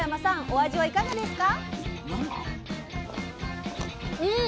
お味はいかがですか？